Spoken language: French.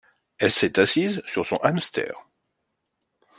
Elle s'est assise sur son hamster.